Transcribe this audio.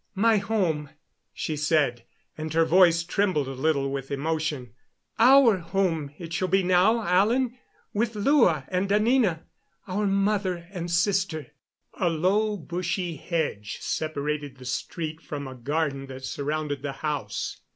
"My home," she said, and her voice trembled a little with emotion. "Our home it shall be now, Alan, with Lua and Anina, our mother and sister." A low, bushy hedge separated the street from a garden that surrounded the house.